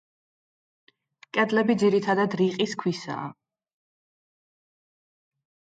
კედლები ძირითადად რიყის ქვისაა.